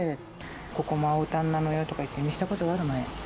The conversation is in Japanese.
ここも青たんなのよとかって、見せたことがあるのよ。